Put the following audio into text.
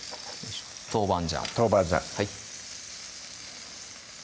豆板醤豆板醤